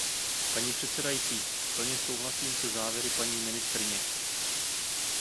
Paní předsedající, plně souhlasím se závěry paní ministryně.